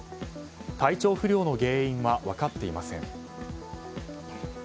体調不良の原因は分かっていません。